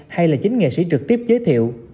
hay là chính nghệ sĩ trực tiếp giới thiệu